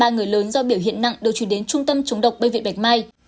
ba người lớn do biểu hiện nặng được chuyển đến trung tâm chống độc bệnh viện bạch mai